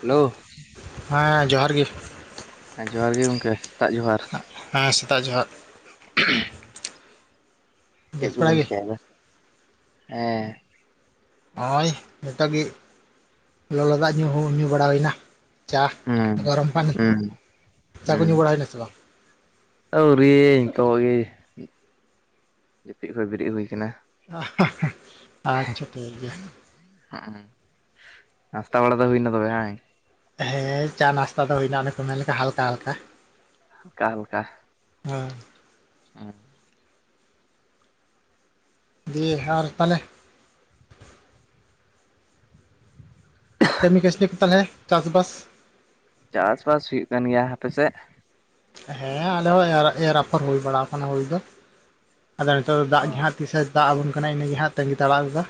Hello ᱦᱮᱸ ᱡᱚᱦᱟᱨ ᱜᱮ ᱦᱮᱸ ᱡᱚᱦᱟᱨ ᱜᱮ ᱜᱚᱝᱠᱮ ᱥᱮᱛᱟᱜ ᱡᱚᱦᱟᱨ ᱦᱮᱸ ᱥᱮᱛᱟᱜ ᱡᱚᱦᱟᱨ ᱦᱩᱸ ᱪᱮᱫ ᱵᱮᱥ ᱵᱟᱲᱟ ᱠᱚᱵᱤᱱ ᱜᱮ ᱪᱤᱠᱟᱹᱭ ᱮᱫᱟ ᱦᱮᱸ ᱦᱚᱜᱼᱚᱸᱭ ᱱᱤᱛᱚᱜ ᱜᱮ ᱞᱚᱞᱚ ᱫᱟᱜ ᱧᱩ ᱦᱚᱸ ᱧᱩ ᱵᱟᱲᱟ ᱦᱩᱭᱱᱟ᱾ ᱪᱟ ᱦᱩᱸ ᱜᱚᱨᱚᱢ ᱯᱟᱱᱤ ᱦᱩᱸ ᱪᱟ ᱠᱚ ᱧᱩ ᱵᱟᱲᱟᱭᱮᱱᱟ ᱥᱮ ᱵᱟᱝ? ᱟᱹᱣᱨᱤ ᱱᱤᱛᱚᱜ ᱜᱮ ᱡᱟᱹᱯᱤᱫ ᱠᱷ ᱵᱮᱨᱮᱫ ᱦᱩᱭ ᱟᱠᱟᱱᱟ᱾ [unintelligible] ᱟᱪᱪᱷᱟ ᱴᱷᱤᱠ ᱜᱮᱭᱟ ᱦᱮᱸᱜ ᱮᱸᱜ ᱱᱟᱥᱛᱟ ᱵᱟᱲᱟ ᱫᱚ ᱦᱩᱭᱱᱟ ᱛᱚᱵᱮ ᱦᱮᱸ ᱦᱮᱸ ᱪᱟ ᱱᱟᱥᱛᱟ ᱫᱚ ᱦᱩᱭᱱᱟ ᱚᱱᱮ ᱠᱚ ᱢᱮᱱᱞᱮᱠᱟ ᱦᱟᱞᱠᱟ ᱦᱟᱞᱠᱟ ᱦᱟᱞᱠᱟ ᱦᱟᱞᱠᱟ ᱦᱮᱸ ᱦᱮᱸ ᱫᱤᱭᱮ ᱟᱨ ᱛᱟᱦᱚᱞᱮ ᱠᱟᱹᱢᱤ ᱠᱟᱥᱱᱤ ᱠᱚ ᱛᱟᱦᱞᱮ ᱪᱟᱥᱵᱟᱥ ᱪᱟᱥ ᱵᱟᱥ ᱦᱩᱭᱩᱜ ᱠᱟᱱ ᱜᱮᱭᱟ ᱦᱟᱯᱮᱥᱮᱫ ᱦᱮᱸ ᱟᱞᱮᱦᱚ ᱮᱨ ᱟᱯᱷᱚᱨ ᱦᱩᱭ ᱵᱟᱲᱟ ᱟᱠᱟᱱᱟ ᱦᱩᱭ ᱫᱚ ᱟᱫᱚ ᱱᱤᱛᱚᱜ ᱫᱚ ᱫᱟᱜ ᱜᱮ ᱦᱟᱸᱜ ᱛᱤᱥᱮ ᱫᱟᱜ ᱟᱵᱚᱱ ᱠᱟᱱᱟ ᱤᱱᱟᱹᱜᱮ ᱦᱟᱸᱜ ᱛᱟᱺᱜᱤ ᱛᱟᱲᱟᱜ ᱫᱚ᱾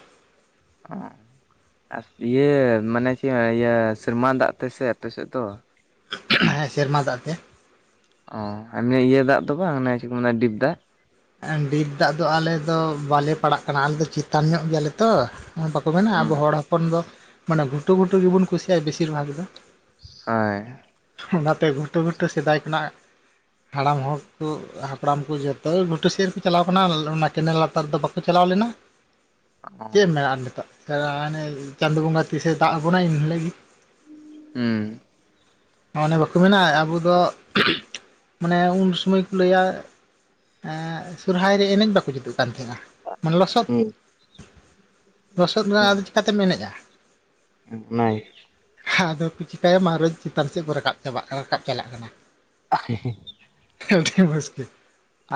ᱚ ᱟᱨ ᱤᱭᱟᱹ ᱢᱟᱱᱮ ᱪᱮᱫ ᱤᱭᱟᱹ ᱥᱮᱨᱢᱟ ᱫᱟᱜ ᱛᱮ ᱥᱮ ᱟᱯᱮ ᱥᱮᱫ ᱫᱚ ᱦᱮᱸ ᱥᱮᱨᱢᱟ ᱫᱟᱜ ᱛᱮ᱾ ᱚ ᱟᱨ ᱱᱤᱭᱟᱹ ᱤᱭᱟᱹ ᱫᱟᱜ ᱫᱚ ᱵᱟᱝ ᱪᱮᱫ ᱠᱚ ᱢᱮᱱᱟ ᱰᱤᱯ ᱫᱟᱜ ᱰᱤᱯ ᱫᱟᱜ ᱫᱚ ᱟᱞᱮ ᱫᱚ ᱵᱟᱞᱮ ᱯᱟᱲᱟᱜ ᱠᱟᱱᱟ ᱟᱞᱮ ᱫᱚ ᱪᱮᱛᱟᱱ ᱧᱚᱜ ᱜᱮᱭᱟᱞᱮ ᱛᱚ᱾ ᱵᱟᱠᱚ ᱢᱮᱱᱟ ᱦᱩᱸ ᱟᱵᱚ ᱦᱚᱲ ᱦᱚᱯᱚᱱ ᱫᱚ ᱢᱟᱱᱮ ᱜᱷᱩᱴᱩᱼ ᱜᱷᱩᱴᱩ ᱜᱮᱵᱚᱱ ᱠᱩᱥᱤᱭᱟᱜᱼᱟ ᱵᱮᱥᱤᱨ ᱵᱷᱟᱜᱽ ᱫᱚ ᱦᱮᱸ ᱚᱱᱟᱛᱮ ᱜᱷᱩᱴᱩ ᱜᱷᱩᱴᱩ ᱥᱮᱫᱟᱭ ᱠᱷᱚᱱᱟᱜ ᱦᱟᱲᱟᱢ ᱦᱚᱲ ᱠᱚ ᱦᱟᱯᱲᱟᱢ ᱠᱚ ᱡᱚᱛᱚ ᱜᱷᱚᱴ -ᱴᱩ ᱥᱮᱫ ᱨᱮ ᱠᱚ ᱪᱟᱞᱟᱣ ᱠᱟᱱᱟ ᱚᱱᱟ ᱠᱮᱱᱮᱞ ᱞᱟᱛᱟᱨᱫᱚ ᱵᱟᱠᱚ ᱪᱟᱞᱟᱣ ᱞᱮᱱᱟ ᱪᱮᱫ ᱮᱢ ᱢᱮᱱᱟ ᱟᱨ ᱱᱤᱛᱚᱜ? ᱥᱮ ᱦᱟᱱᱮ ᱪᱟᱸᱫᱳ ᱵᱚᱸᱜᱟ ᱛᱤᱥᱮ ᱫᱟᱜ ᱟᱵᱚᱱᱟ ᱮᱱ ᱦᱤᱞᱳᱜ ᱜᱮ ᱦᱩᱸ ᱚᱱᱮ ᱵᱟᱠᱚ ᱢᱮᱱᱟ ᱟᱵᱚ ᱫᱚ ᱢᱟᱱᱮ ᱩᱱ ᱥᱚᱢᱚᱭ ᱠᱚ ᱞᱟᱹᱭᱟ ᱥᱚᱨᱦᱟᱭ ᱨᱮ ᱮᱱᱮᱡ ᱵᱟᱠᱚ ᱡᱩᱛᱩᱜ ᱠᱟᱱ ᱛᱟᱦᱮᱸᱱᱟ᱾ [unintelligible] ᱞᱚᱥᱚᱫ ᱦᱩᱸ ᱞᱚᱥᱚᱫ ᱨᱮ ᱟᱫᱚ ᱪᱤᱠᱟᱛᱮᱢ ᱮᱱᱮᱡᱼᱟ᱾ ᱱᱟᱭ [unintelligible] ᱪᱤᱠᱟᱹᱭᱟ ᱢᱟ ᱨᱚᱡᱽ ᱪᱮᱛᱟᱱ ᱥᱮᱫ ᱠᱚ ᱨᱟᱠᱟᱵ ᱪᱟᱵᱟᱜ ᱠᱟᱱᱟ ᱨᱟᱠᱟᱵ ᱪᱟᱞᱟᱜ ᱠᱟᱱᱟ᱾ ᱟᱦ [unintelligible] ᱟᱹᱰᱤ ᱢᱩᱥᱠᱤᱞ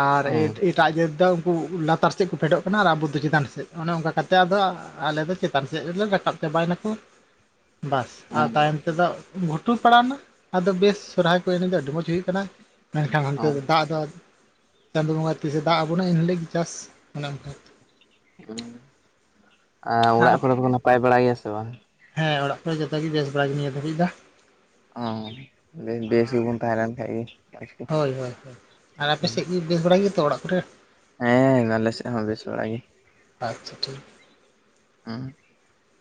ᱟᱨ ᱚ [unintelligible] ᱮᱴᱟᱜ ᱡᱟᱹᱛ ᱫᱚ ᱩᱱᱠᱩ ᱞᱟᱛᱟᱨ ᱥᱮᱫ ᱠᱚ ᱯᱷᱮᱰᱚᱜ ᱠᱟᱱᱟ ᱟᱨ ᱟᱵᱚ ᱫᱚ ᱪᱮᱛᱟᱱ ᱥᱮᱫ ᱚᱱᱮ ᱚᱱᱠᱟ ᱠᱟᱛᱮᱫ ᱟᱫᱚ ᱟᱞᱮ ᱫᱚ ᱪᱮᱛᱟᱱ ᱥᱮᱫ ᱨᱮᱞᱮ ᱨᱟᱠᱟᱵ ᱪᱟᱵᱟᱭᱱᱟᱠᱚ ᱵᱟᱥ ᱟᱨ ᱛᱟᱭᱚᱢ ᱛᱮᱫᱚ ᱜᱷᱩᱴᱩ ᱯᱟᱲᱟᱣ ᱮᱱᱟ ᱟᱫᱚ ᱵᱮᱥ ᱥᱚᱨᱦᱟᱭ ᱠᱚ ᱮᱱᱮᱡ ᱫᱚ ᱟᱹᱰᱤ ᱢᱚᱸᱡᱽ ᱦᱩᱭᱩᱜ ᱠᱟᱱᱟ ᱢᱮᱱᱠᱷᱟᱱ ᱚ ᱦᱟᱱᱛᱮ ᱫᱚ ᱫᱟᱜ ᱫᱚ ᱪᱟᱸᱫᱳ ᱵᱚᱸᱜᱟ ᱛᱤᱥᱮ ᱫᱟᱜ ᱟᱵᱚᱱᱟ ᱮᱱ ᱦᱤᱞᱳᱜ ᱜᱮ ᱪᱟᱥ [unintelligible] ᱟᱨ ᱚᱲᱟᱜ ᱠᱚᱨᱮ ᱫᱚ ᱱᱟᱯᱟᱭ ᱵᱟᱲᱟ ᱜᱮᱭᱟ ᱥᱮ ᱵᱟᱝ? ᱦᱮᱸ ᱚᱲᱟᱜ ᱠᱚᱨᱮ ᱡᱚᱛᱚ ᱜᱮ ᱵᱮᱥ ᱵᱟᱲᱟ ᱜᱮ ᱱᱤᱭᱟᱹ ᱫᱷᱟᱹᱨᱤᱡ ᱫᱚ᱾ ᱚᱸ ᱵᱮᱥ ᱜᱮᱵᱚᱱ ᱛᱟᱦᱮᱸ ᱞᱮᱱ ᱠᱷᱟᱡ ᱜᱮ ᱢᱚᱡᱽ ᱜᱮ᱾ ᱦᱳᱭ ᱦᱳᱭ ᱟᱨ ᱟᱯᱮ ᱥᱮᱫ ᱜᱮ ᱵᱮᱥ ᱵᱟᱲᱟ ᱜᱮᱭᱟᱛᱚ ᱚᱲᱟᱜ ᱠᱚᱨᱮ? ᱦᱮᱸ ᱟᱞᱮ ᱥᱮᱫ ᱦᱚᱸ ᱵᱮᱥ ᱵᱟᱲᱟ ᱜᱮ ᱟᱪᱪᱷᱟ ᱴᱷᱤᱠ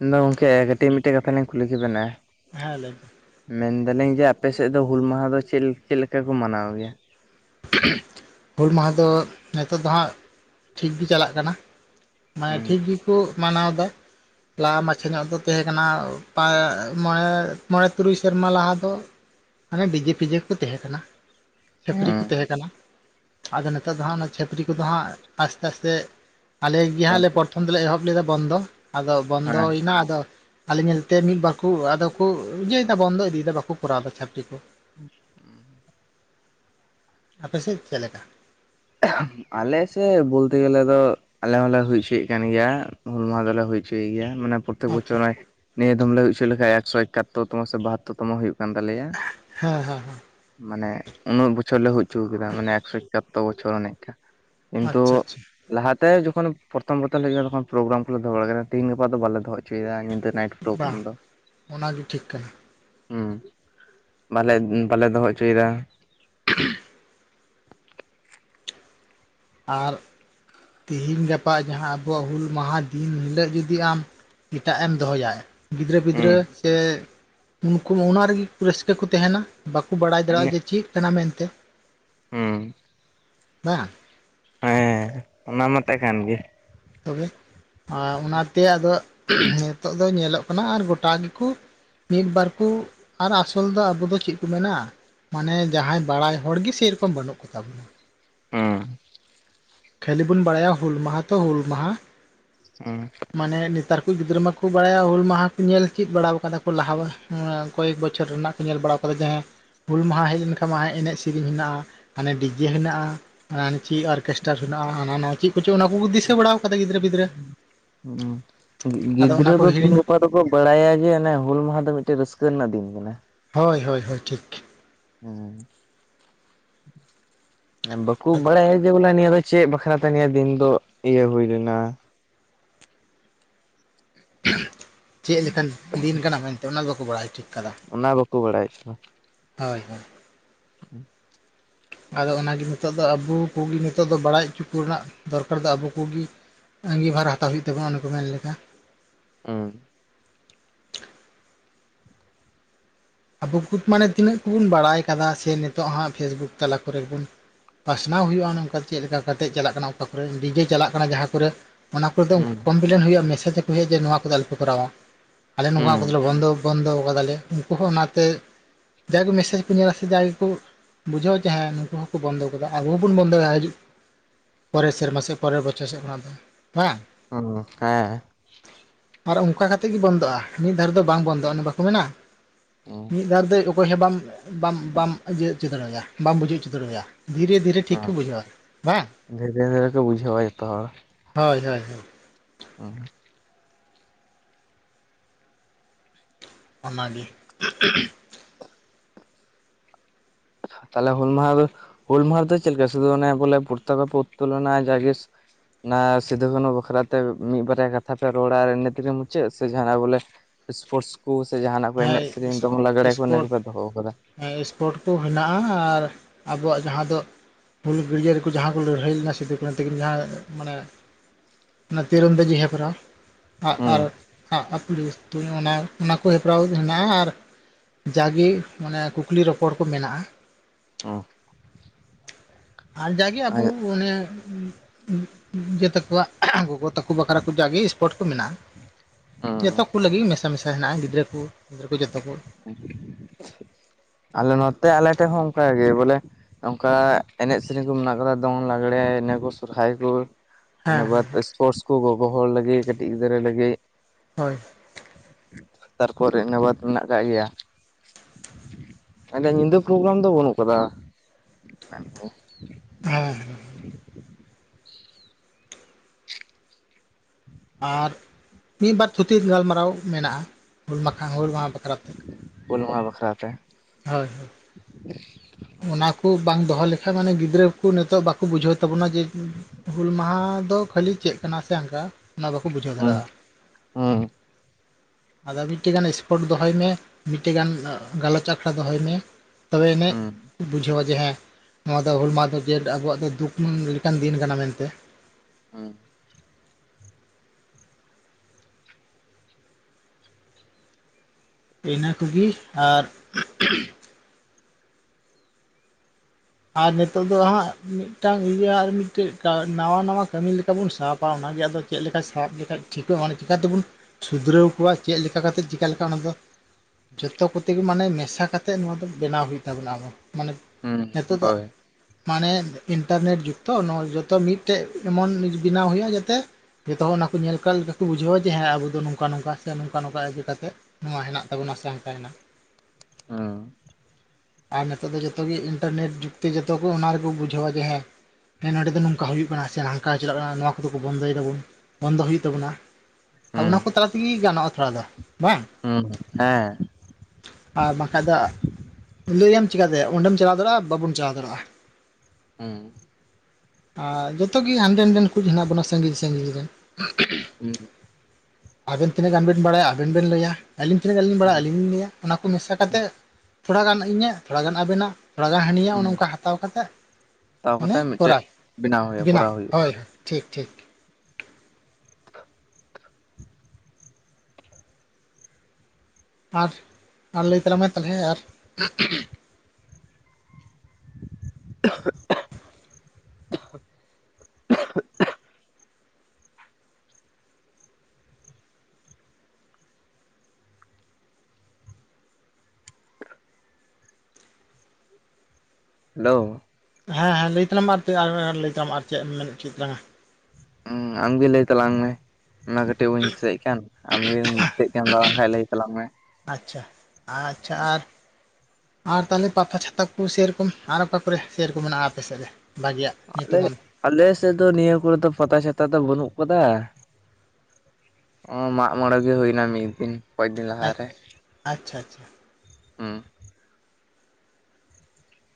ᱩᱸ ᱟᱫᱚ ᱜᱚᱝᱠᱮ ᱠᱟᱹᱴᱤᱡ ᱢᱤᱫᱴᱮᱡ ᱠᱟᱛᱷᱟ ᱞᱤᱧ ᱠᱩᱞᱤ ᱠᱮᱵᱮᱱᱟ᱾ ᱦᱮᱸ ᱞᱟᱹᱭ ᱵᱮᱱ ᱢᱮᱱᱫᱟᱹᱞᱤᱧ ᱡᱮ ᱟᱯᱮᱥᱮᱫ ᱫᱚ ᱦᱩᱞ ᱢᱟᱦᱟ ᱫᱚ ᱪᱮᱫ ᱪᱮᱫ ᱞᱮᱠᱟ ᱠᱚ ᱢᱟᱱᱟᱣ ᱜᱮᱭᱟ? ᱦᱩᱞ ᱢᱟᱦᱟ ᱫᱚ ᱱᱤᱛᱳᱜ ᱫᱚ ᱦᱟᱸᱜ ᱴᱷᱤᱜ ᱜᱮ ᱪᱟᱞᱟᱜ ᱠᱟᱱᱟ ᱢᱟᱱᱮ ᱴᱷᱤᱠ ᱜᱮᱠᱚ ᱢᱟᱱᱟᱣ ᱫᱟ ᱾ ᱞᱟᱦᱟ ᱢᱟᱪᱷᱟᱧᱚᱜ ᱫᱚ ᱛᱟᱦᱮᱸ ᱠᱟᱱᱟ ᱢᱚᱬᱮ ᱢᱚᱬᱮ ᱛᱩᱨᱩᱭ ᱥᱮᱨᱢᱟ ᱞᱟᱦᱟ ᱫᱚ ᱟᱱᱮ ᱰᱤᱡᱮ ᱯᱤᱡᱮᱠᱚ ᱛᱟᱦᱮᱸ ᱠᱟᱱᱟ ᱪᱟᱹᱯᱨᱤ ᱠᱚ ᱦᱮᱸ ᱛᱟᱦᱮᱸ ᱠᱟᱱᱟ᱾ ᱟᱫᱚ ᱱᱮᱛᱟᱨ ᱫᱚ ᱦᱟᱸᱜ ᱚᱱᱟ ᱪᱷᱟᱹᱯᱨᱤ ᱠᱚᱫᱚ ᱦᱟᱸᱜ ᱟᱥᱛᱮ ᱟᱥᱛᱮ ᱟᱞᱮᱜᱮ ᱦᱟᱸᱜ ᱞᱮ ᱯᱚᱨᱛᱷᱚᱢ ᱫᱚᱞᱮ ᱮᱦᱚᱵ ᱞᱮᱫᱟ ᱵᱚᱱᱫᱚ ᱟᱫᱚ ᱵᱚᱱᱫᱚᱭᱱᱟ ᱟᱫᱚ ᱟᱞᱮ ᱧᱮᱞᱛᱮ ᱢᱤᱫ ᱵᱟ ᱠᱩ ᱟᱫᱚ ᱠᱩ ᱤᱭᱟᱹᱭ ᱫᱟ ᱵᱚᱱᱫᱚ ᱤᱫᱤᱭᱮᱫᱟ ᱵᱟᱠᱩ ᱠᱚᱨᱟᱣ ᱫᱟ ᱪᱷᱟᱯᱨᱤ ᱠᱚ ᱚᱸᱜ ᱦᱩᱸ ᱟᱯᱮᱥᱮᱫ ᱪᱮᱫ ᱞᱮᱠᱟ? ᱟᱞᱮ ᱥᱮᱜ ᱵᱚᱞᱛᱮ ᱜᱮᱞᱮ ᱫᱚ ᱟᱞᱮ ᱦᱚᱸᱞᱮ ᱦᱩᱭ ᱦᱚᱪᱚᱭᱮᱫ ᱠᱟᱱ ᱜᱮᱭᱟ ᱦᱩᱞ ᱢᱟᱦᱟ ᱫᱚᱞᱮ ᱦᱩᱭ ᱦᱚᱪᱚᱭ ᱜᱮᱭᱟ ᱢᱟᱱᱮ ᱟᱪᱪᱷᱟ ᱛᱮᱵᱚᱱ ᱱᱚᱭ ᱱᱤᱭᱟᱹ ᱫᱚᱢᱞᱮ ᱦᱩᱭ ᱦᱚᱪᱚ ᱞᱮᱠᱷᱟ ᱮᱠᱥᱚ ᱮᱠᱟᱛᱳᱨ ᱛᱚᱢᱚ ᱥᱮ ᱵᱟᱦᱟᱛᱳᱨ ᱛᱚᱢᱚ ᱦᱩᱭᱩᱜ ᱠᱟᱱ ᱛᱟᱞᱮᱭᱟ ᱦᱮᱸ ᱦᱮᱸ ᱦᱮᱸ ᱢᱟᱱᱮ ᱩᱱᱟᱹᱜ ᱵᱚᱪᱷᱚᱨ ᱞᱮ ᱦᱩᱭ ᱦᱚᱪᱚ ᱠᱮᱫᱟ ᱢᱟᱱᱮ ᱮᱠᱥᱚ ᱛᱚ ᱵᱚᱪᱷᱚᱨ ᱚᱱᱮ ᱚᱸᱠᱟ ᱟᱪᱪᱷᱟ ᱠᱤᱱᱛᱚᱜ ᱟᱪᱪᱷᱟ ᱞᱟᱦᱟᱛᱮ ᱡᱚᱠᱷᱚᱱ ᱯᱨᱚᱛᱷᱚᱢ ᱯᱨᱛᱷᱚᱢ ᱛᱠᱷᱚᱱ ᱯᱨᱳᱜᱨᱟᱢ ᱠᱚ ᱞᱮ ᱫᱚᱦᱚ ᱵᱟᱲᱟ ᱠᱮᱫᱟ ᱛᱤᱦᱤᱧ ᱜᱟᱯᱟ ᱫᱚ ᱵᱟᱞᱮ ᱫᱚᱦᱚᱪᱚᱭ ᱫᱟ ᱧᱤᱫᱟᱹ ᱱᱟᱭᱤᱴ ᱯᱨᱳᱜᱜᱨᱟᱢ ᱵᱟᱝ ᱫᱚ ᱚᱱᱟᱜᱮ ᱴᱷᱤᱠ ᱠᱟᱱᱟ ᱦᱩᱸ ᱵᱟᱞᱮ ᱵᱟᱞᱮ ᱫᱚᱦᱚ ᱚᱪᱚᱭ ᱫᱟ᱾ [unintelligible] ᱟᱨ ᱛᱤᱦᱤᱧ ᱜᱟᱯᱟ ᱡᱟᱦᱟᱸ ᱟᱵᱚᱣᱟᱜ ᱦᱩᱞ ᱢᱟᱦᱟ ᱫᱤᱱ ᱦᱤᱞᱳᱜ ᱡᱩᱫᱤ ᱟᱢ ᱮᱴᱟᱜ ᱮᱢ ᱫᱚᱦᱚᱭᱟ ᱜᱤᱫᱽᱨᱟᱹ ᱯᱤᱫᱽᱨᱟᱹ ᱦᱩᱸ ᱪᱮ ᱩᱱᱠᱩ ᱚᱱᱟ ᱨᱮᱜᱮ ᱨᱟᱹᱥᱠᱟᱹ ᱠᱚ ᱛᱟᱦᱮᱱᱟ ᱵᱟᱠᱳ ᱵᱟᱲᱟᱭ ᱫᱟᱲᱮᱭᱟᱜᱼᱟ ᱤᱱᱟᱹᱜ ᱡᱮ ᱪᱮᱫ ᱠᱟᱱᱟ ᱢᱮᱱᱛᱮ ᱦᱩᱸ ᱵᱟ ᱦᱮᱸ ᱚᱱᱟ ᱢᱟᱛᱚ ᱠᱟᱱ ᱜᱮ ᱛᱚᱵᱮ ᱟᱸ ᱚᱱᱟᱛᱮ ᱟᱫᱚ ᱱᱤᱛᱚᱜ ᱫᱚ ᱧᱮᱞᱚᱜ ᱠᱟᱱᱟ ᱟᱨ ᱜᱚᱴᱟ ᱜᱮᱠᱚ ᱢᱤᱫ ᱵᱟᱨ ᱠᱩ ᱟᱨ ᱟᱥᱚᱞ ᱫᱚ ᱟᱵᱚ ᱫᱚ ᱪᱮᱫ ᱠᱚ ᱢᱮᱱᱟ ᱢᱟᱱᱮ ᱡᱟᱦᱟᱸᱭ ᱵᱟᱲᱟᱭ ᱦᱚᱲ ᱜᱮ ᱥᱮᱨᱚᱠᱚᱢ ᱵᱟᱹᱱᱩᱜ ᱠᱚ ᱛᱟᱵᱚᱱᱟ᱾ ᱚᱸ ᱠᱷᱟᱹᱞᱤ ᱵᱚᱱ ᱵᱟᱲᱟᱭᱟ ᱦᱩᱞ ᱢᱟᱦᱟ ᱛᱚ ᱦᱩᱞ ᱢᱟᱦᱟ ᱩᱸ ᱢᱟᱱᱮ ᱱᱮᱛᱟᱨ ᱠᱚ ᱜᱤᱫᱽᱨᱟᱹ ᱢᱟᱠᱳ ᱵᱟᱲᱟᱭᱟ ᱦᱩᱞ ᱢᱟᱦᱟ ᱠᱚ ᱧᱮᱞ ᱪᱮᱫ ᱵᱟᱲᱟᱣ ᱠᱟᱫᱟ ᱠᱚ ᱞᱟᱦᱟ ᱚᱸ ᱠᱚᱭᱮᱠ ᱵᱚᱪᱷᱚᱨ ᱨᱮᱱᱟᱜ ᱧᱮᱞ ᱵᱟᱲᱟᱣ ᱠᱟᱫᱟ ᱡᱮᱸ ᱦᱩᱞ ᱢᱟᱦᱟ ᱦᱮᱡ ᱞᱮᱱᱠᱷᱟᱱ ᱢᱟ ᱮᱱᱮᱡ ᱥᱮᱨᱮᱧ ᱦᱮᱱᱟᱜᱼᱟ ᱦᱟᱱᱮ ᱰᱤᱡᱮ ᱦᱮᱱᱟᱜᱼᱟ᱾ ᱦᱟᱱᱠᱷᱤ ᱚᱨᱠᱮᱥᱴᱟᱨ ᱦᱮᱱᱟᱜᱼᱟ ᱦᱟᱱᱟ ᱱᱚᱣᱟ ᱪᱮᱫ ᱠᱚᱪᱚ ᱚᱱᱟ ᱠᱳᱠᱳ ᱫᱤᱥᱟᱹ ᱵᱟᱲᱟᱣ ᱠᱟᱫᱟ ᱜᱤᱫᱽᱨᱟᱹ ᱯᱤᱫᱽᱨᱟᱹ ᱦᱩᱸ ᱟᱫᱚ ᱚᱱᱟ ᱜᱤᱫᱽᱨᱟᱹ ᱠᱚ ᱫᱚ ᱛᱤᱦᱤᱧ ᱦᱤᱲᱤᱧ ᱜᱟᱯᱟ ᱫᱚᱠᱚ ᱵᱟᱲᱟᱭᱟ ᱡᱮ ᱦᱩᱞ ᱢᱟᱦᱟ ᱫᱚ ᱢᱤᱫᱴᱮᱡ ᱨᱟᱹᱥᱠᱟᱹ ᱨᱮᱱᱟᱜ ᱫᱤᱱ ᱠᱟᱱᱟ᱾ ᱦᱳᱭ ᱦᱳᱭ ᱦᱳᱭ ᱴᱷᱤᱠ᱾ ᱦᱩᱸ ᱵᱟᱹᱠᱩ ᱟᱫᱚ ᱵᱟᱲᱟᱭᱟ ᱡᱮ ᱵᱚᱞᱮ ᱱᱤᱭᱟ ᱫᱚ ᱪᱮᱜ ᱵᱟᱠᱷᱨᱟᱛᱮ ᱱᱤᱭᱟᱹ ᱫᱤᱱ ᱫᱚ ᱤᱭᱟᱹ ᱦᱩᱭ ᱞᱮᱱᱟ ᱪᱮᱫ ᱞᱮᱠᱟᱱ ᱫᱤᱱ ᱠᱟᱱᱟ ᱢᱮᱱᱛᱮ ᱚᱱᱟ ᱫᱚ ᱵᱟᱠᱚ ᱵᱟᱲᱟᱭ ᱴᱷᱤᱠ ᱠᱟᱫᱟ᱾ ᱚᱱᱟ ᱵᱟᱠᱚ ᱵᱟᱲᱟᱭ ᱴᱷᱚ ᱾ ᱦᱚᱭ ᱦᱚᱭ ᱾ ᱦᱩᱸ ᱟᱫᱚ ᱚᱱᱟ ᱜᱮ ᱱᱤᱛᱚᱜ ᱫᱚ ᱟᱵᱚ ᱠᱚᱜᱮ ᱱᱤᱛᱚᱜ ᱫᱚ ᱵᱟᱲᱟᱭ ᱦᱚᱪᱚ ᱠᱚ ᱨᱮᱱᱟᱜ ᱫᱚᱨᱠᱟᱨ ᱫᱚ ᱟᱵᱚ ᱠᱚᱜᱮ᱾ ᱟᱺᱜᱤᱵᱷᱟᱨ ᱦᱟᱛᱟᱣ ᱦᱩᱭᱩᱜ ᱛᱟᱵᱚ ᱚᱱᱟ ᱠᱚ ᱢᱮᱱ ᱞᱮᱠᱟ᱾ ᱟᱨ [unintelligible] ᱟᱵᱚ ᱢᱟᱱᱮ ᱛᱤᱱᱟᱹᱜ ᱠᱚ ᱵᱚᱱ ᱵᱟᱲᱟᱭ ᱠᱟᱫᱟ ᱥᱮ ᱱᱤᱛᱚᱜ ᱦᱟᱸᱜ ᱯᱷᱮᱥᱵᱩᱠ ᱛᱟᱞᱟ ᱠᱚᱨᱮ ᱵᱚᱱ ᱯᱟᱥᱱᱟᱣ ᱦᱩᱭᱩᱜᱼᱟ᱾ ᱚᱱᱮ ᱚᱱᱠᱟ ᱪᱮᱫ ᱞᱮᱠᱟ ᱠᱟᱛᱮᱫ ᱪᱟᱞᱟᱜ ᱠᱟᱱᱟ ᱚᱠᱟ ᱠᱚᱨᱮ ᱰᱤᱡᱮ ᱪᱟᱞᱟᱜ ᱠᱟᱱᱟ ᱡᱟᱦᱟᱸ ᱠᱚᱨᱮ᱾ ᱚᱱᱟ ᱠᱚᱫᱚᱢ ᱦᱩᱸ ᱠᱚᱢ ᱯᱮᱞᱮᱱ ᱦᱩᱭᱩᱜᱼᱟ ᱢᱮᱥᱮᱡᱽ ᱟᱠᱚ ᱦᱩᱭᱩᱜᱼᱟ ᱡᱮ ᱱᱚᱣᱟ ᱠᱚᱫᱚ ᱟᱞᱚᱯᱮ ᱠᱚᱨᱟᱣᱟ᱾ ᱟᱞᱮ ᱱᱚᱣᱟ ᱦᱩᱸ ᱠᱚᱫᱚᱞᱮ ᱵᱚᱱᱫᱚ ᱵᱚᱱᱫᱚ ᱟᱠᱟᱫᱟᱞᱮ᱾ ᱟᱠᱚ ᱚᱱᱟ ᱛᱮ ᱡᱟᱜᱮ ᱢᱮᱥᱮᱡᱽ ᱠᱚ ᱧᱮᱞᱟ ᱥᱮ ᱡᱟᱜᱮᱠᱚ ᱵᱩᱡᱷᱟᱹᱣ ᱪᱟᱦᱮ ᱱᱩᱠᱩ ᱦᱚᱸᱠᱚ ᱵᱚᱱᱫᱚ ᱟᱠᱟᱫᱟ᱾ ᱟᱵᱚ ᱦᱚᱸ ᱵᱚᱱ ᱵᱚᱱᱫᱚ ᱭᱟ ᱦᱤᱡᱩᱜ ᱯᱚᱨᱮᱨ ᱥᱮᱨᱢᱟ ᱥᱮᱫ ᱯᱚᱨᱮᱨ ᱵᱚᱪᱷᱚᱨ ᱥᱮᱫ ᱠᱷᱚᱱᱟᱜ ᱫᱚ ᱵᱟᱝ᱾ ᱦᱚᱸ ᱦᱮᱸ ᱟᱨ ᱚᱱᱠᱟ ᱠᱟᱛᱮᱫ ᱜᱮ ᱵᱚᱱᱫᱚᱜᱼᱟ᱾ ᱢᱤᱫ ᱫᱷᱟᱣ ᱨᱮᱫᱚ ᱵᱟᱝ ᱵᱚᱱᱫᱚᱜᱼᱟ ᱚᱱᱮ ᱵᱟᱠᱚ ᱢᱮᱱᱟ᱾ ᱦᱩᱸ ᱢᱤᱫ ᱵᱟᱨ ᱫᱚ ᱚᱠᱚᱭ ᱦᱚᱸ ᱵᱟᱢ ᱵᱟᱢ ᱵᱟᱢ ᱤᱭᱟᱹ ᱚᱪᱚ ᱫᱟᱲᱮᱟᱭᱟ᱾ ᱵᱟᱢ ᱵᱩᱡᱷᱟᱹᱣ ᱚᱪᱚ ᱫᱟᱲᱮᱟᱭᱟ ᱫᱷᱤᱨᱮ ᱛᱤᱨᱮ ᱴᱷᱤᱠ ᱠᱤᱱ ᱦᱩᱸ ᱵᱩᱡᱷᱟᱹᱣᱟ ᱵᱟᱝ ᱫᱷᱤᱨᱮ ᱫᱷᱤᱨᱮ ᱠᱚ ᱵᱩᱡᱷᱟᱹᱣᱟ ᱡᱚᱛᱚ [inaudible] ᱦᱚᱭ ᱦᱚᱭ ᱦᱚᱭ᱾ ᱚ [unintelligible] ᱚᱱᱟ ᱜᱮ [inaudible] ᱛᱟᱦᱞᱮ ᱦᱩᱞ ᱢᱟᱦᱟ ᱫᱚ ᱦᱩᱞ ᱢᱟᱦᱟ ᱫᱚ ᱪᱮᱫ ᱞᱮᱠᱟ ᱥᱩᱫᱩ ᱚᱱᱮ ᱵᱚᱞᱮ ᱯᱩᱨᱛᱟᱠᱟ ᱩᱛᱩᱞᱚᱱᱟ ᱡᱟᱜᱮ [inaudible] ᱚᱱᱟ ᱥᱤᱫᱩ-ᱠᱟᱹᱱᱦᱩ ᱵᱟᱠᱷᱨᱟᱛᱮ ᱢᱤᱫ ᱵᱟᱨᱭᱟ ᱠᱟᱛᱷᱟ ᱯᱮ ᱨᱚᱲᱟ ᱤᱱᱟᱹ ᱛᱮ ᱜᱮ ᱢᱩᱪᱟᱹᱫ ᱥᱮ ᱡᱟᱦᱟᱸᱱᱟᱜ ᱵᱚᱞᱮ ᱤᱥᱯᱳᱨᱳᱥ ᱠᱚ ᱥᱮ ᱡᱟᱦᱟᱸᱱᱟᱜ ᱠᱚ ᱮᱱᱮᱡ ᱦᱮᱸ ᱥᱮᱨᱮᱧ ᱫᱚᱝ ᱞᱟᱜᱽᱮ ᱠᱚ ᱤᱱᱟ ᱠᱚᱯᱮ ᱫᱚᱦᱚ ᱟᱠᱟᱫᱟ᱾ ᱤᱥᱯᱳᱴ ᱠᱚ ᱦᱮᱱᱟᱜᱼᱟ ᱟᱨ ᱟᱵᱚᱣᱟᱜ ᱡᱟᱦᱟᱸ ᱫᱚ ᱦᱩᱞ ᱦᱩᱞᱭᱟᱹᱨ ᱠᱚ ᱡᱟᱦᱟᱸ ᱠᱚ ᱞᱟᱹᱲᱦᱟᱹᱭ ᱞᱮᱱᱟ ᱥᱤᱸᱫᱩ ᱠᱟᱹᱱᱦᱩ ᱛᱟᱠᱤᱱ ᱡᱟᱦᱟᱸ ᱢᱟᱱᱮ ᱚᱱᱟ ᱛᱤᱨᱚᱱ ᱵᱟᱸᱡᱤ ᱦᱮᱯᱨᱟᱣ᱾ ᱟᱸᱜ ᱟᱨ ᱦᱩᱸ ᱟᱸᱜ ᱟᱯᱲᱤ ᱛᱩᱸᱧ ᱚᱱᱟ ᱚᱱᱟ ᱠᱚ ᱦᱮᱨᱟᱣ᱾ ᱦᱮᱯᱨᱟᱣ ᱦᱮᱱᱟᱜᱼᱟ ᱟᱨ ᱡᱟᱜᱮ ᱢᱟᱱᱮ ᱠᱩᱠᱞᱤ ᱨᱚᱯᱚᱲ ᱠᱚ ᱢᱮᱱᱟᱜᱼᱟ᱾ ᱚᱸ [inaudible] ᱟᱨ ᱡᱟᱜᱮ ᱟᱵᱚ ᱚᱱᱮ ᱡᱚᱛᱚ ᱠᱚᱣᱟᱜ ᱜᱚᱜᱚ ᱛᱟᱠᱚ ᱵᱟᱠᱷᱨᱟ ᱠᱚ ᱡᱟᱜᱮ ᱤᱥᱯᱚᱴ ᱠᱚ ᱢᱮᱱᱟᱜᱼᱟ᱾ ᱦᱩᱸ ᱡᱚᱛᱚ ᱠᱚ ᱞᱟᱹᱜᱤᱫ ᱢᱮᱥᱟ ᱢᱮᱥᱟ ᱦᱮᱱᱟᱜᱼᱟ᱾ ᱜᱤᱫᱽᱨᱟᱹ ᱠᱚ ᱜᱤᱫᱽᱨᱟᱹ ᱠᱚ ᱡᱚᱛᱚ ᱠᱚ ᱦᱮ [inaudible] ᱟᱞᱮ ᱱᱚᱛᱮ ᱟᱞᱮ ᱴᱷᱮᱡ ᱦᱚᱸ ᱚᱱᱠ ᱜᱮ ᱵᱚᱞᱮ ᱚᱝᱠᱟ ᱮᱱᱮᱡ ᱥᱮᱨᱮᱧ ᱠᱚ ᱢᱮᱱᱟᱜ ᱠᱟᱫᱟ ᱫᱚᱝ ᱞᱟᱜᱽᱲᱮ ᱤᱱᱟᱹ ᱠᱚ ᱥᱚᱨᱦᱟᱭ ᱠᱚ᱾ ᱤᱱᱟᱹ ᱦᱮᱸ ᱵᱟᱫᱽ ᱦᱮᱸ ᱤᱥᱯᱳᱴᱥ ᱠᱚ ᱜᱚᱜᱚ ᱦᱚᱲ ᱞᱟᱹᱜᱤᱫ, ᱠᱟᱹᱴᱤᱡ ᱜᱤᱫᱽᱨᱟᱹ ᱞᱟᱹᱜᱤᱫ᱾ ᱦᱳᱭ ᱛᱟᱨᱯᱚᱨ ᱤᱱᱟᱹ ᱵᱟᱫᱽ ᱢᱮᱱᱟᱜ ᱟᱠᱟᱜ ᱜᱮᱭᱟ [unintelligible] ᱧᱤᱫᱟᱹ ᱯᱨᱳᱜᱨᱟᱢ ᱫᱚ ᱵᱟᱹᱱᱩᱜ ᱟᱠᱟᱫᱟ [inaudible] ᱦᱮᱸ ᱦᱮᱸ ᱟᱨ ᱢᱤᱫᱵᱟᱨ ᱛᱷᱩᱛᱤ ᱜᱟᱞᱢᱟᱨᱟᱣ ᱢᱮᱱᱟᱜᱼᱟ᱾ ᱦᱩᱞᱢᱟᱠᱷᱟ ᱦᱩᱞ ᱢᱟᱦᱟ ᱵᱟᱠᱷᱨᱟᱛᱮ᱾ ᱦᱩᱞ ᱢᱟᱦᱟ ᱵᱟᱠᱷᱨᱟᱛᱮ᱾ ᱦᱚᱭ ᱦᱳᱭ᱾ [inaudible] ᱚᱱᱟᱠᱩ ᱵᱟᱝ ᱫᱚᱦᱚ ᱞᱮᱠᱷᱟᱡ ᱢᱟᱱᱮ ᱜᱤᱫᱽᱨᱟᱹᱠᱩ ᱱᱤᱛᱚᱜ ᱵᱟᱠᱚ ᱵᱩᱡᱷᱟᱹᱣ ᱛᱟᱵᱚᱱᱟ ᱡᱮ [inaudible] ᱦᱩᱞ ᱢᱟᱦᱟ ᱫᱚ ᱠᱷᱟᱹᱞᱤ ᱪᱮᱫ ᱠᱟᱱᱟ ᱥᱮ ᱦᱟᱱᱠᱟ᱾ ᱚᱱᱟ ᱵᱟᱠᱚ ᱵᱩᱡᱷᱟᱹᱣ ᱦᱩᱸ ᱫᱟᱲᱮᱭᱟᱜᱼᱟ᱾ [unintelligible] ᱦᱩᱸ ᱟᱫᱚ ᱢᱤᱫᱴᱮᱡ ᱜᱟᱱ ᱤᱥᱯᱚᱴ ᱫᱚᱦᱚᱭ ᱢᱮ᱾ ᱢᱤᱫᱴᱮᱡ ᱜᱟᱱ ᱜᱟᱞᱚᱪ ᱟᱠᱷᱲᱟ ᱫᱚᱦᱚᱭ ᱢᱮ᱾ ᱛᱚᱵᱮ [inaudible] ᱦᱩᱸ ᱵᱩᱡᱷᱟᱹᱣᱟ ᱡᱮ ᱦᱮᱸ ᱱᱚᱣᱟ ᱫᱚ ᱦᱩᱞ ᱢᱟᱦᱟ ᱫᱚ ᱡᱮ ᱟᱵᱚᱣᱟᱜ ᱫᱚ ᱫᱩᱠ ᱞᱮᱠᱟᱱ ᱫᱤᱱ ᱠᱟᱱᱟ ᱢᱮᱱ ᱛᱮ᱾ [unintelligible] ᱤᱱᱟᱹ ᱠᱚ ᱜᱤ ᱟᱨ ᱟᱨ ᱱᱤᱛᱚᱜ ᱫᱚ ᱦᱟᱸᱜ ᱢᱤᱫᱴᱟᱹᱝ ᱤᱭᱟᱹ ᱟᱨ ᱢᱤᱫᱴᱮᱡ ᱱᱟᱶᱟ ᱱᱟᱶᱟ ᱠᱟᱹᱢᱤ ᱞᱮᱠᱟ ᱵᱚᱱ ᱥᱟᱵᱟ ᱚᱱᱟ ᱜᱮ ᱟᱫᱚ ᱪᱮᱫ ᱞᱮᱠᱟ ᱥᱟᱵ ᱞᱮᱠᱷᱟᱡ ᱴᱷᱤᱠᱚᱜᱼᱟ ᱢᱟᱱᱮ ᱪᱮᱠᱟ ᱛᱮ ᱵᱚᱱ ᱥᱩᱫᱷᱨᱟᱹᱣ ᱠᱚᱣᱟ ᱪᱮᱫ ᱞᱮᱠᱟ ᱠᱟᱛᱮᱫ ᱪᱮᱠᱟ ᱞᱮᱠᱟ ᱚᱱᱟ ᱫᱚ ᱡᱚᱛᱚ ᱠᱚᱛᱮ ᱜᱮ ᱢᱟᱱᱮ ᱢᱮᱥᱟ ᱠᱟᱛᱮᱜ ᱱᱚᱣᱟ ᱫᱚ ᱵᱮᱱᱟᱣ ᱦᱩᱭᱩᱜ ᱛᱟᱵᱚᱱᱟ ᱟᱵᱚ ᱢᱟᱱᱮ ᱦᱩᱸ ᱱᱤᱛᱚ ᱫᱚ ᱦᱳᱭ ᱢᱟᱱᱮ ᱤᱱᱴᱟᱨᱱᱮᱴ ᱡᱩᱜᱽ ᱛᱚ ᱱᱚ ᱡᱚᱛᱚ ᱢᱤᱫᱴᱮᱡ ᱮᱢᱚᱱ ᱱᱤᱡ ᱵᱮᱱᱟᱣ ᱦᱩᱭᱩᱜᱼᱟ ᱡᱟᱛᱮ ᱡᱚᱛᱚ ᱦᱚᱲ ᱚᱱᱟ ᱠᱩ ᱧᱮᱞ ᱠᱟ ᱞᱮᱠᱟ ᱠᱩ ᱵᱩᱡᱷᱟᱹᱣᱟ ᱡᱮ ᱦᱮᱸ ᱟᱵᱩ ᱫᱚ ᱱᱚᱝᱠᱟ ᱱᱚᱝᱠᱟ ᱥᱮ ᱱᱚᱝᱠᱟ ᱱᱚᱝᱠᱟ ᱤᱭᱟᱹ ᱠᱟᱛᱮᱫ ᱱᱚᱣᱟ ᱦᱮᱱᱟᱜ ᱛᱟᱵᱚᱱᱟ ᱥᱮ ᱦᱟᱱᱠᱟ ᱦᱮᱱᱟ ᱩᱸ᱾ ᱟᱨ ᱱᱮᱛᱚ ᱫᱚ ᱡᱚᱛᱚ ᱜᱮ ᱤᱱᱴᱟᱨᱱᱮᱴ ᱡᱩᱠᱛᱤ ᱡᱚᱛᱚ ᱠᱩ ᱚᱱᱟ ᱨᱮ ᱠᱩ ᱵᱩᱡᱷᱟᱹᱣᱟ ᱡᱮ ᱦᱮᱸ᱾ ᱦᱮᱸ ᱱᱚᱰᱮ ᱫᱚ ᱱᱚᱝᱠᱟ ᱦᱩᱭᱩᱜ ᱠᱟᱱᱟ ᱥᱮ ᱦᱟᱝᱠᱟ ᱪᱮᱫᱟᱜ ᱵᱟᱝ ᱱᱚᱣᱟ ᱠᱚ ᱫᱚ ᱠᱩ ᱵᱚᱱᱫᱚᱭ ᱫᱟᱵᱩᱱ ᱵᱚᱱᱫᱚ ᱦᱩᱭᱩᱜ ᱛᱟᱵᱩᱱᱟ᱾ ᱟ ᱦᱩᱸ ᱚᱱᱟ ᱠᱩ ᱛᱟᱼᱟ ᱛᱮᱜᱤ ᱜᱟᱱᱚᱜᱼᱟ ᱛᱷᱚᱲᱟ ᱫᱚ, ᱵᱟᱝ? ᱦᱩᱸ, ᱦᱮᱸ᱾ ᱟᱨ ᱵᱟᱝ ᱠᱷᱟᱡ ᱫᱚ ᱞᱟᱹᱭᱟᱢ ᱪᱮᱠᱟ ᱛᱮ ᱚᱸᱰᱮᱢ ᱪᱟᱞᱟᱣ ᱫᱟᱲᱮᱜᱼᱟ ᱵᱟᱵᱩᱱ ᱪᱟᱞᱟᱣ ᱫᱟᱲᱮᱜᱼᱟ᱾ ᱦᱩᱸ᱾ ᱟ ᱡᱚᱛᱚ ᱜᱤ ᱦᱟᱸᱰᱮ ᱱᱟᱰᱮᱱ ᱠᱩᱜᱮ ᱦᱮᱱᱟᱜ ᱵᱚᱱᱟ ᱥᱟᱺᱜᱤᱧ ᱥᱟᱺᱜᱤᱧ ᱨᱮᱱ᱾ ᱦᱩᱸ᱾ ᱟᱵᱮᱱ ᱛᱤᱱᱟᱹᱜ ᱜᱟᱱ ᱵᱤᱱ ᱵᱟᱲᱟᱭᱟ ᱟᱵᱮᱱ ᱵᱮᱱ ᱞᱟᱹᱭᱟ, ᱟᱹᱞᱤᱧ ᱛᱤᱱᱟᱹᱜ ᱜᱟᱱ ᱞᱤᱧ ᱵᱟᱲᱟᱭᱟ ᱦᱩᱸ ᱟᱹᱞᱤᱧ ᱞᱤᱧ ᱞᱟᱹᱭᱟ᱾ ᱚᱱᱟ ᱠᱩ ᱢᱮᱥᱟ ᱠᱟᱛᱮᱜ ᱛᱷᱚᱲᱟ ᱜᱟᱱ ᱤᱧᱟᱹᱜ ᱛᱷᱚᱲᱟ ᱜᱟᱱ ᱟᱵᱮᱱᱟᱜ᱾ ᱛᱷᱚᱲᱟ ᱜᱟᱱ ᱦᱟᱹᱱᱤᱭᱟᱜ ᱦᱩᱸ ᱚᱱᱮ ᱚᱝᱠᱟ ᱦᱟᱛᱟᱣ ᱠᱟᱛᱮᱜ ᱛᱟᱣ ᱚᱱᱮ ᱠᱟᱛᱮᱫ ᱢᱤᱫᱴᱮᱡ ᱠᱚᱨᱟᱣ ᱦᱩᱭᱩᱜᱼᱟ ᱵᱮᱱᱟᱣ ᱠᱚᱨᱟᱣ ᱦᱩᱭᱩᱜᱼᱟ ᱦᱚᱭ ᱦᱚᱭ᱾ ᱴᱷᱤᱠ ᱴᱷᱤᱠ᱾ ᱟᱨ, ᱟᱨ ᱞᱟᱹᱭ ᱛᱟᱞᱟᱝ ᱢᱮ ᱛᱟᱞᱦᱮ ᱟᱨ᱾ [inaudible] ᱦᱮᱞᱳ᱾ ᱦᱮᱸ ᱦᱮᱸ ᱞᱟᱹᱭ ᱛᱟᱞᱟᱝ ᱢᱮ ᱟᱨ [inaudible] ᱞᱟᱹᱭ ᱛᱟᱢ ᱟᱨ ᱪᱮᱜ ᱮᱢ ᱢᱮᱱ ᱚᱪᱩᱭᱮᱜ ᱛᱟᱞᱟᱝᱟ᱾ ᱩᱸ ᱟᱢᱜᱮ ᱞᱟᱹᱭ ᱛᱟᱞᱟᱝ ᱢᱮ ᱚᱱᱟ ᱠᱟᱹ ᱴᱤᱜ ᱵᱟᱹᱧ ᱫᱤᱥᱟᱹ ᱮᱠᱷᱟᱱ ᱟᱢᱜᱮᱢ ᱫᱤᱥᱟᱹ ᱮᱠᱷᱟᱱ [inaudible] ᱞᱟᱹᱭ ᱛᱟᱞᱟᱝ ᱢᱮ᱾ ᱟᱪᱪᱷᱟ, ᱟᱪᱪᱷᱟ, ᱟᱨ ᱟᱨ ᱛᱟᱦᱚᱞᱮ ᱯᱟᱛᱟ ᱪᱷᱟᱛᱟ ᱠᱩ ᱥᱮ ᱨᱚᱠᱚᱢ ᱟᱨ ᱚᱠᱟ ᱠᱚᱨᱮ ᱥᱮᱨ ᱠᱚ ᱢᱮᱱᱟᱜᱼᱟ ᱟᱯᱮ ᱥᱮᱫ ᱨᱮ ᱵᱷᱟᱜᱤᱭᱟᱜ᱾ ᱟᱞᱮ ᱧᱩᱛᱩᱢᱟᱱ ᱟᱞᱮ ᱥᱮ ᱫᱚ ᱱᱤᱭᱟᱹ ᱠᱚᱨᱮ ᱫᱚ ᱯᱟᱛᱟ ᱪᱷᱟᱛᱟ ᱫᱚ ᱵᱟᱹᱱᱩᱜ ᱠᱟᱫᱟ᱾ ᱚᱸ ᱢᱟᱜ ᱢᱚᱬᱮ ᱜᱮ ᱦᱩᱭᱱᱟ ᱢᱤᱫ ᱫᱤᱱ ᱠᱚᱭᱮᱠ ᱫᱤᱱ ᱞᱟᱦᱟ ᱨᱮ᱾ ᱟᱪᱪᱷᱟ ᱟᱪᱪᱷᱟ᱾ ᱩᱸ᱾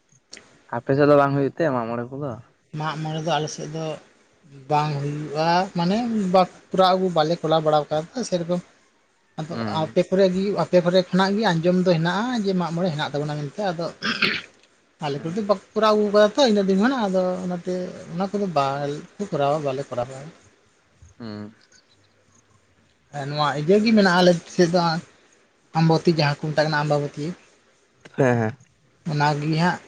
[inaudible] ᱟᱯᱮ ᱥᱮᱜ ᱫᱚ ᱵᱟᱝ ᱦᱩᱭᱩᱜ ᱛᱮ ᱢᱟᱜ ᱢᱚᱬᱮ ᱠᱩᱫᱚ? ᱢᱟᱜ ᱢᱚᱬᱮ ᱫᱚ ᱟᱞᱮ ᱥᱮᱜ ᱫᱚ ᱵᱟᱝ ᱦᱩᱭᱩᱜᱼᱟ ᱢᱟᱱᱮ ᱵᱟᱠ ᱯᱩᱨᱟ ᱟᱹᱜᱩ ᱵᱟᱞᱮ ᱠᱚᱞᱟᱣ ᱵᱟᱲᱟᱣ ᱠᱟᱫ ᱮᱸ ᱥᱮ ᱨᱚᱠᱚᱢ᱾ ᱟᱫᱚ ᱦᱩᱸ ᱟᱯᱮ ᱥᱮᱞᱮᱜ ᱜᱤ ᱦᱩᱭᱩᱜᱼᱟ᱾ ᱯᱮ ᱯᱚᱨᱮ ᱠᱷᱚᱱᱟᱜ ᱜᱤ ᱟᱸᱡᱚᱢ ᱫᱚ ᱦᱮᱱᱟᱜᱼᱟ ᱡᱮ ᱢᱟᱜᱽ ᱢᱚᱬᱮ ᱦᱮᱱᱟᱜ ᱛᱟᱵᱚᱱᱟ ᱢᱮᱱ ᱛᱮ, ᱟᱫᱚ ᱟᱞᱮ ᱦᱩᱸ ᱠᱚᱨᱮ ᱫᱚ ᱵᱟᱠᱚ ᱠᱚᱨᱟᱣ ᱟᱹᱜᱩᱣ ᱠᱟᱫᱟ ᱛᱚ ᱤᱱᱟᱹᱜ ᱫᱤᱱ ᱠᱷᱚᱱᱟᱜ, ᱟᱫᱚ ᱚᱱᱟ ᱛᱮ ᱚᱱᱟ ᱠᱚ ᱫᱚ ᱵᱟ ᱠᱩ ᱠᱚᱨᱟᱣᱟ ᱵᱟᱞᱮ ᱠᱚᱨᱟᱣ ᱦᱩᱭᱩᱜᱼᱟ᱾ ᱦᱩᱸ᱾ ᱮ ᱱᱚᱣᱟ ᱤᱭᱟᱹ ᱜᱤ ᱢᱮᱱᱟᱜᱼᱟ ᱟᱞᱮ ᱥᱮᱜ ᱫᱚ ᱟ-ᱟᱢᱵᱟᱣᱚᱛᱤ ᱡᱟᱦᱟᱸ ᱠᱩ ᱢᱮᱛᱟᱜ ᱠᱟᱱᱟ ᱟᱢᱵᱟᱵᱚᱛᱤ᱾ ᱦᱮᱸ ᱦᱮᱸ᱾ ᱚᱱᱟ ᱜᱤ ᱦᱟᱸᱜ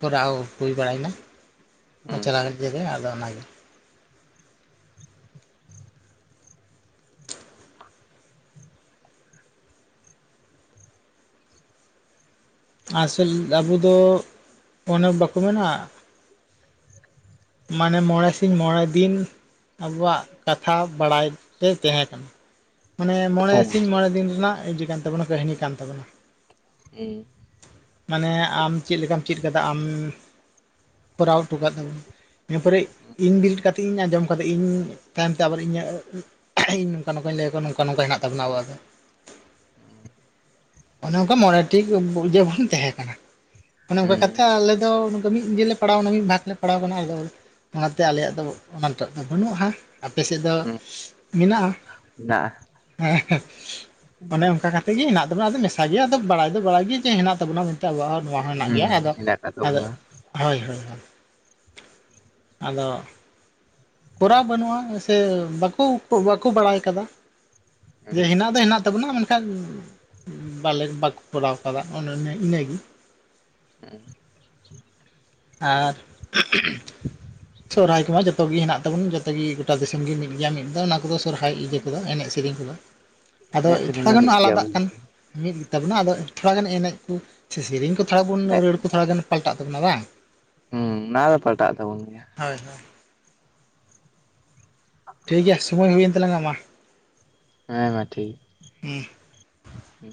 ᱠᱚᱨᱟᱣ ᱦᱩᱭ ᱵᱟᱲᱟᱭ ᱱᱟ᱾ [unintelligible] ᱦᱩᱸ ᱟᱫᱚ ᱚᱱᱟ ᱜᱮ᱾ ᱟᱥᱚᱞ ᱟᱵᱩ ᱫᱚ ᱚᱱᱮ ᱵᱟᱠᱩ ᱢᱮᱱᱟ᱾ ᱢᱟᱱᱮ ᱢᱚᱬᱮ ᱥᱤᱧ ᱢᱚᱬᱮ ᱫᱤᱱ᱾ ᱟᱵᱩᱣᱟᱜ ᱠᱟᱛᱷᱟ ᱵᱟᱲᱟᱭ ᱛᱮ ᱛᱮᱦᱮᱸ ᱠᱟᱱᱟ᱾ ᱢᱟᱱᱮ ᱢᱚᱬᱮ ᱦᱩᱸ ᱥᱤᱧ ᱢᱚᱬᱮ ᱫᱤᱱ ᱨᱮᱱᱟᱜ ᱤᱡᱟᱹ ᱠᱟᱱ ᱛᱟᱵᱚᱱᱟ ᱠᱟᱹᱦᱱᱤ ᱠᱟᱱ ᱛᱟᱵᱚᱱᱟ᱾ ᱩᱸ᱾ ᱢᱟᱱᱮ ᱟᱢ ᱪᱤᱜ ᱞᱮᱠᱟᱢ ᱪᱤᱫ ᱠᱟᱫᱟ ᱟᱢ ᱠᱚᱨᱟᱣ ᱴᱩᱠᱟᱫ᱾ [inaudible] ᱤᱱᱟᱹ ᱯᱚᱨᱮ ᱤᱧ ᱵᱮᱨᱤᱫ ᱠᱟᱛᱮ ᱤᱧ ᱟᱸᱡᱚᱢ ᱠᱟᱫᱟ ᱤᱧ ᱛᱟᱭᱚᱢ ᱛᱮ ᱟᱵᱟᱨ ᱤᱧᱟᱹᱜ᱾ ᱤᱧ ᱱᱚᱝᱠᱟ ᱱᱚᱝᱠᱟᱧ ᱞᱟᱹᱭᱟᱣᱟ ᱱᱚᱝᱠᱟ ᱱᱚᱱᱠᱟ, ᱦᱮᱱᱟᱜ ᱛᱟᱵᱚᱱᱟ ᱟᱵᱚᱣᱟᱜ ᱫᱚ [unintelligible] ᱚᱱᱮ ᱚᱱᱠᱟ ᱢᱚᱬᱮ ᱴᱤᱡ ᱵᱚᱱ ᱛᱟᱦᱮᱸ ᱠᱟᱱᱟ ᱚᱱᱮ ᱚᱱᱠᱟ ᱦᱩᱸ ᱠᱟᱛᱮ ᱟᱞᱮᱫᱚ ᱱᱚᱝᱠᱟ, ᱢᱤᱫ ᱜᱮ ᱯᱟᱲᱟᱣᱱᱟ ᱢᱤᱫ ᱵᱷᱟᱜᱽ ᱞᱮ ᱯᱟᱲᱟᱣ ᱟᱠᱟᱱᱟ ᱟᱫᱚ᱾ ᱚᱱᱟᱛᱮ ᱟᱞᱮᱭᱟᱜ ᱫᱚ ᱚᱱᱟᱴᱟᱜ ᱫᱚ ᱵᱟᱹᱱᱩᱜᱼᱟ᱾ ᱟᱯᱮ ᱥᱮᱫ ᱫᱚ ᱦᱩᱸ ᱢᱮᱱᱟᱜᱼᱟ ᱦᱮᱱᱟᱜᱼᱟ ᱦᱮᱸ ᱚᱱᱮ ᱚᱱᱠᱟ ᱠᱟᱛᱮ ᱜᱮᱢᱮᱱᱟᱜ ᱛᱟᱵᱚᱱᱟᱫᱚ ᱢᱮᱥᱟ ᱜᱮ ᱟᱫᱚ ᱵᱟᱲᱟᱭ ᱫᱚ ᱵᱟᱲᱟᱭ ᱜᱮ ᱡᱮ ᱦᱮᱱᱟᱜ ᱛᱟᱵᱚᱱᱟ᱾ ᱛᱚ ᱟᱵᱚᱣᱟᱜ ᱦᱚᱸ ᱱᱚᱣᱟ ᱦᱚᱸ ᱦᱮᱱᱟᱜ ᱦᱩᱸ ᱜᱮᱭᱟ ᱟᱫᱚ ᱦᱮᱱᱟᱜ ᱟᱠᱟᱫ ᱟᱫᱚ ᱛᱟᱵᱚᱱᱟ ᱦᱳᱭ ᱦᱳᱭ ᱟᱫᱚ ᱠᱚᱨᱟᱣ ᱵᱟᱹᱱᱩᱜᱼᱟ ᱥᱮ ᱵᱟᱠᱚ ᱵᱟᱠᱚ ᱵᱟᱲᱟᱭ ᱟᱠᱟᱫᱟ᱾ ᱡᱮ ᱦᱩᱸ ᱦᱮᱱᱟᱜ ᱫᱚ ᱦᱮᱱᱟᱜ ᱛᱟᱵᱚᱱᱟᱱᱮᱱ ᱠᱷᱟᱱ ᱵᱟᱞᱮ ᱵᱟᱠᱚ ᱠᱚᱨᱟᱣ ᱟᱠᱟᱫᱟ ᱚᱱᱮ ᱤᱱᱟᱹᱜᱮ᱾ [unintelligible] ᱟᱨ ᱥᱚᱨᱚᱦᱟᱭ ᱠᱚᱢᱟ ᱡᱚᱛᱚ᱾ ᱡᱚᱛᱚ ᱜᱮ ᱦᱮ ᱛᱟᱵᱚᱱ ᱡᱚᱛᱚ ᱜᱮ ᱜᱚᱴᱟ, ᱫᱤᱥᱚᱢ ᱜᱮ ᱢᱤᱫ ᱜᱮᱭᱟ ᱢᱤᱫ ᱫᱚ ᱚᱱᱟ ᱠᱚᱫᱚ ᱥᱚᱨᱦᱟᱭ ᱤᱭᱟᱹ ᱠᱚᱫᱚ ᱮᱱᱮᱡ ᱥᱮᱨᱮᱧ ᱠᱚᱫᱚ ᱟᱫᱚ ᱮᱱᱮᱡ ᱥᱮᱨᱮᱧ ᱮᱴᱷᱚᱲᱟ ᱫᱚ ᱜᱟᱱᱚᱜ ᱢᱤᱫ ᱟᱞᱟᱫᱟᱜ ᱜᱮᱭᱟᱵᱚᱱ ᱠᱟᱱᱟ᱾ ᱥᱮ ᱢᱤᱫ ᱜᱮᱛᱟᱵᱚᱱᱟ ᱟᱫᱚ ᱛᱷᱚᱲᱟ ᱜᱟᱱ ᱮᱱᱮᱡ ᱠᱚ ᱥᱮ ᱥᱮᱨᱮᱧ, ᱠᱚ ᱛᱷᱚᱲᱟ ᱵᱚᱱ ᱮᱱᱮᱡ ᱨᱟᱹᱲ ᱠᱚ ᱛᱷᱚᱲᱟ ᱜᱟᱱ ᱯᱟᱞᱴᱟᱜ ᱛᱟᱵᱚᱱᱟ ᱵᱟᱝ ᱦᱩᱸ ᱚᱱᱟ ᱫᱚ ᱯᱟᱞᱴᱟᱜ ᱛᱟᱵᱚᱱ ᱜᱮᱭᱟ ᱦᱳᱭ ᱦᱳᱭ ᱴᱷᱤᱠ ᱜᱮᱭᱟ ᱥᱚᱢᱚᱭ ᱦᱩᱭᱮᱱ ᱛᱟᱞᱟᱝᱟ ᱢᱟ ᱦᱮᱸ ᱢᱟ ᱴᱷᱤᱠ ᱦᱩᱸ ᱦᱩᱸ